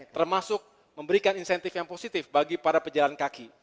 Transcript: termasuk memberikan insentif yang positif bagi para pejalan kaki